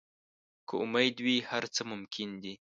که امید وي، هر څه ممکن دي.